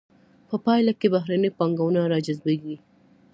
په پایله کې بهرنۍ پانګونه را جذبیږي.